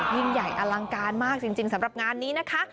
ยิ่งใหญ่อลังการมากจริงสำหรับงานนี้นะคะ